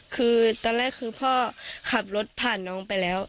คือตอนแรกคือพ่อขับรถผ่านน้องไปแล้ว